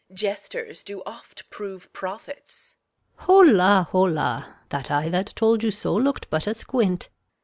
Jesters do oft prove prophets. Gon. Holla, holla! That eye that told you so look'd but asquint.